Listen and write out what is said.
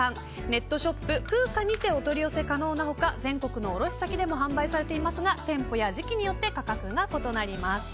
ネットショップＫＵＵＣＡにてお取り寄せ可能な他全国の卸先でも販売されていますが店舗や時期によって価格が異なります。